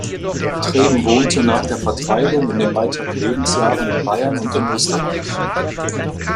Treben wohnte nach der Vertreibung in den weiteren Lebensjahren in Bayern und in Österreich.